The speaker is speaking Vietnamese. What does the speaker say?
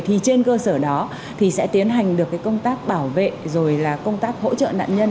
thì trên cơ sở đó thì sẽ tiến hành được cái công tác bảo vệ rồi là công tác hỗ trợ nạn nhân